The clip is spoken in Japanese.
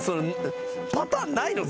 パターンないの？